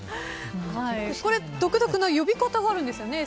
独特な呼び方があるんですよね